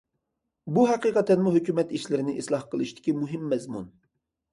بۇ ھەقىقەتەنمۇ ھۆكۈمەت ئىشلىرىنى ئىسلاھ قىلىشتىكى مۇھىم مەزمۇن.